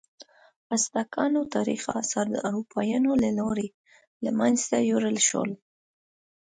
ازتکانو تاریخي آثار د اروپایانو له لوري له منځه یوړل شول.